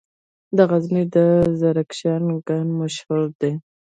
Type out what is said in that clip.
د غزني د زرکشان کان مشهور دی